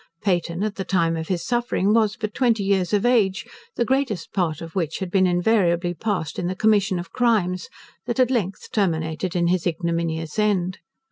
Peyton, at the time of his suffering, was but twenty years of age, the greatest part of which had been invariably passed in the commission of crimes, that at length terminated in his ignominious end.